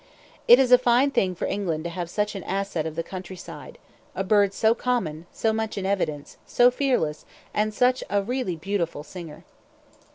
It is a fine thing for England to have such an asset of the countryside, a bird so common, so much in evidence, so fearless, and such a really beautiful singer.